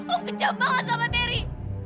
om kejam banget sama terry